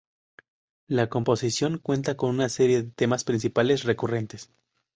La composición cuenta con un serie de temas principales recurrentes.